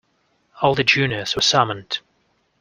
All the juniors were summoned.